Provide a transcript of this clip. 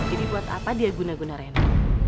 jadi buat apa dia guna guna reno